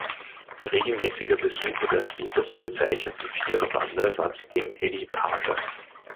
Ein regelmäßiger Besucher der später so bezeichneten „Viererbande“ war zudem Eddy Paape.